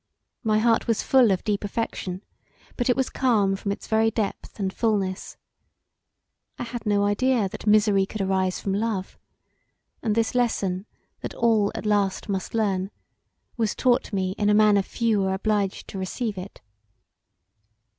My heart was full of deep affection, but it was calm from its very depth and fulness. I had no idea that misery could arise from love, and this lesson that all at last must learn was taught me in a manner few are obliged to receive it.